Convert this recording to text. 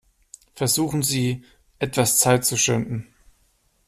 Versuchen Sie, etwas Zeit zu schinden.